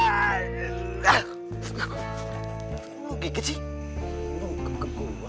lu kebuk kebuk gua